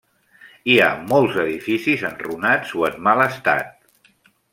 Hi ha molts edificis enrunats o en mal estat.